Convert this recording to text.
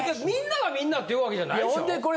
みんながみんなっていう訳じゃないでしょ？